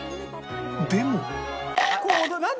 でも